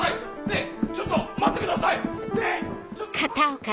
ねぇちょっと待ってください！